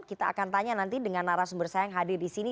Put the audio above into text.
kita akan tanya nanti dengan naras bersayang hadir di sini